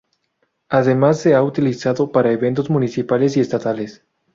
Además se ha utilizado para eventos municipales y estatales.